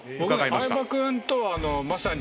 相葉君とはまさに。